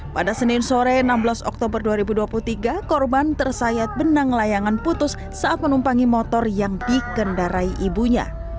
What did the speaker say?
pada senin sore enam belas oktober dua ribu dua puluh tiga korban tersayat benang layangan putus saat menumpangi motor yang dikendarai ibunya